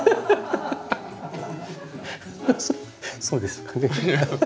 そうですよね。